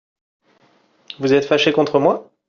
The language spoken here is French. Vous êtes faché contre moi ?